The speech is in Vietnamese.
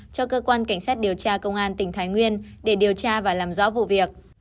cho cơ quan cảnh sát điều tra công an tỉnh thái nguyên để điều tra và làm rõ vụ việc